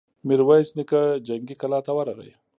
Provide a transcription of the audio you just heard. ميرويس نيکه جنګي کلا ته ورغی.